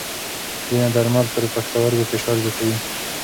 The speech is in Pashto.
ځینې درمل پر پښتورګو فشار زیاتوي.